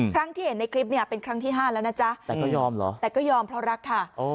ครั้งที่เห็นในคลิปเนี่ยเป็นครั้งที่๕แล้วนะจ๊ะแต่ก็ยอมเหรอแต่ก็ยอมเพราะรักค่ะ